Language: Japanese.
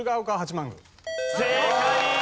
正解！